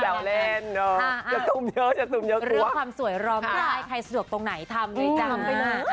แซวเล่นเดี๋ยวตุ้มเยอะฆ่าความสวยรอไม่ได้ใครสะดวกตรงไหนทำเลยจ้า